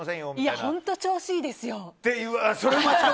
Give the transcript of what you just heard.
いや本当調子いいですよって。